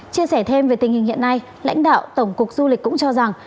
chia sẻ thêm về tình hình hiện nay lãnh đạo tổng cục du lịch cũng cho rằng